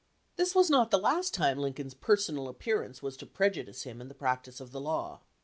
This was not the last time Lincoln's personal appearance was to prejudice him in the practice of the law.